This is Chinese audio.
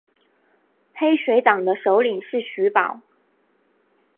黑水党的首领是徐保。